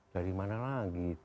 dari mana lagi tuh